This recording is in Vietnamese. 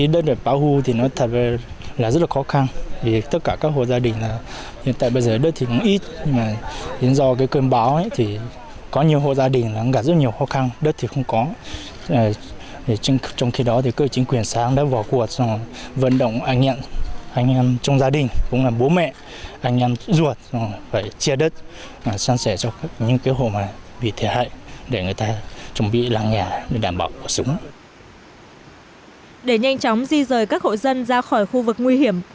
để nhanh chóng di rời các hộ dân ra khỏi khu vực nguy hiểm